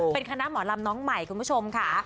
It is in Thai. เป็นคณะหมอลำน้องใหม่คุณผู้ชมค่ะ